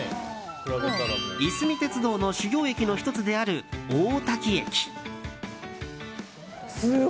いすみ鉄道の主要駅の１つである大多喜駅。